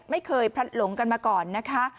ไม่เคยพลัดหลงกันมาก่อนนะคะ